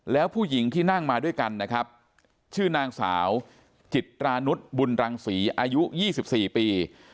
แล้วผู้หญิงที่นั่งมาด้วยกันนะครับชื่อนางสาวจิตรานุษย์บุญรังศรีอายุ๒๔ปี